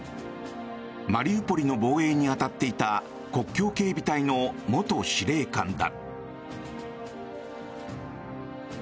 マリウポリの防衛に当たっていた国境警備隊の元司令官だ。